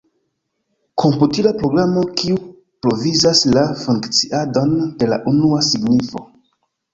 Komputila programo kiu provizas la funkciadon de la unua signifo.